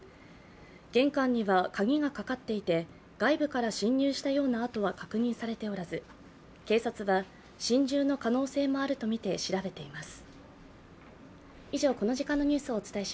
玄関には鍵がかかっていて外部から侵入したような跡は確認されておらず警察は心中の可能性もあると見て調べています。